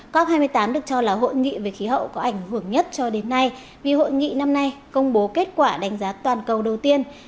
cop hai mươi tám được cho là hội nghị về khí hậu có ảnh hưởng nhất cho đến nay vì hội nghị năm nay công bố kết quả đánh giá toàn cầu đầu tiên